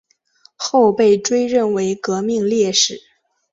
后被追认为革命烈士。